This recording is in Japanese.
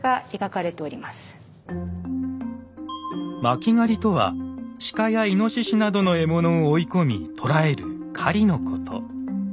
「巻狩」とは鹿やイノシシなどの獲物を追い込み捕らえる狩りのこと。